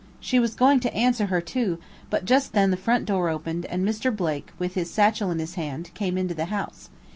She was going to answer her too, but just then the front door opened and Mr. Blake with his satchel in his hand, came into the house.